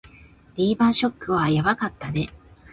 リーマンショックはやばかったね